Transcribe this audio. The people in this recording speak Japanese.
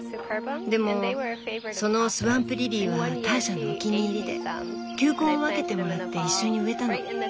でもそのスワンプリリーはターシャのお気に入りで球根を分けてもらって一緒に植えたの。